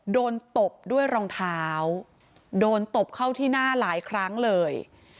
ตบด้วยรองเท้าโดนตบเข้าที่หน้าหลายครั้งเลย